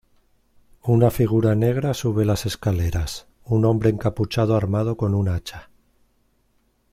Una figura negra sube las escaleras: un hombre encapuchado armado con un hacha.